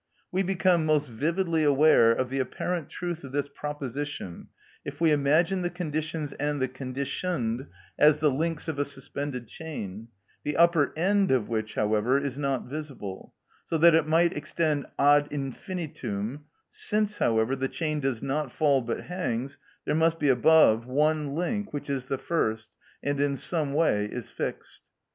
We become most vividly aware of the apparent truth of this proposition if we imagine the conditions and the conditioned as the links of a suspended chain, the upper end of which, however, is not visible, so that it might extend ad infinitum; since, however, the chain does not fall, but hangs, there must be above one link which is the first, and in some way is fixed.